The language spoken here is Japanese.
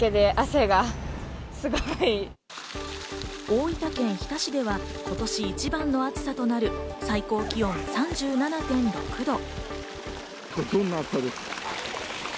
大分県日田市では、今年一番の暑さとなる最高気温３７．６度。